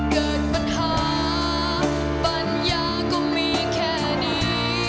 เกิดปัญหาปัญญาก็มีแค่นี้